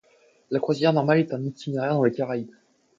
La croisière normale est un itinéraire dans les Caraïbes.